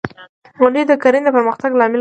• غونډۍ د کرنې د پرمختګ لامل ګرځي.